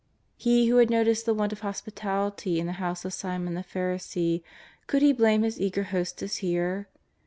He who had noticed the want of hospitality in the house of Simon the Pharisee, could He blame His eager hostess here